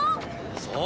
そう。